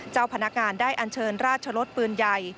เจ้าพนักงานได้อันเชิญราชรสปืนใหญ่